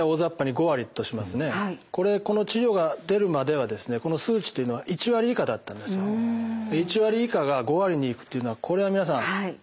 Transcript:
１割以下が５割に行くっていうのはこれは皆さん画期的ですよね。